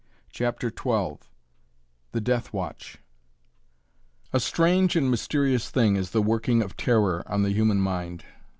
CHAPTER XII THE DEATH WATCH A strange and mysterious thing is the working of terror on the human mind.